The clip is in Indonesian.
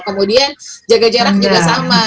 kemudian jaga jarak juga sama